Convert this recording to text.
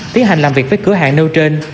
phía hành làm việc với cửa hàng nêu trên